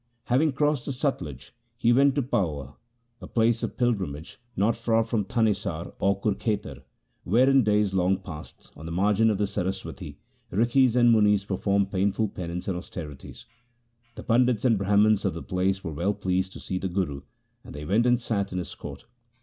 Having crossed the Satluj he went to Pahoa, a place of pilgrimage not far from Thanesar or Kurkhetar, where in days long past, on the margin of the Saraswati, Rikhis and Munis performed painful penance and austerities. The Pandits and Brahmans of the place were well pleased to see the Guru, and they went and sat in his court.